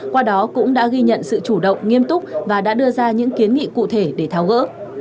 qua đó cũng đã ghi nhận sự chủ động nghiêm túc và đã đưa ra những kiến nghị cụ thể để tháo gỡ